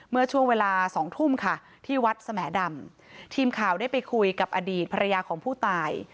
เมื่อช่วงเวลาสองทุ่มค่ะที่วัดสแหมดำทีมข่าวได้ไปคุยกับอดีตภรรยาของผู้ตาย